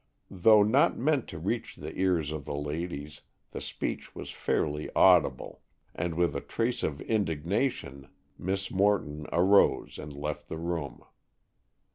Though not meant to reach the ears of the ladies, the speech was fairly audible, and with a trace of indignation Miss Morton arose and left the room.